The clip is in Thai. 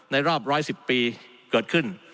รอบ๑๑๐ปีเกิดขึ้น